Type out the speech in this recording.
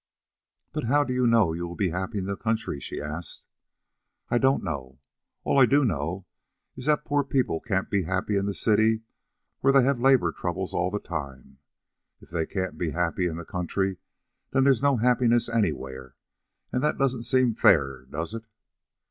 "But how do you know you will be happy in the country?" she asked. "I don't know. All I do know is that poor people can't be happy in the city where they have labor troubles all the time. If they can't be happy in the country, then there's no happiness anywhere, and that doesn't seem fair, does it?"